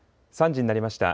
３時になりました。